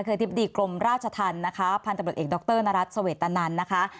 คืออธิบดีกรมราชทัลพันธบุรตเอกด็อกเตอร์นารัสสเวตตานันนะคะ